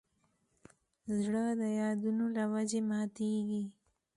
زړه د یادونو له وجې ماتېږي.